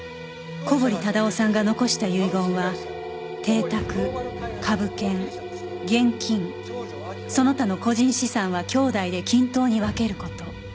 小堀忠夫さんが残した遺言は邸宅株券現金その他の個人資産は姉弟で均等に分ける事